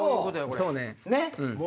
そうね。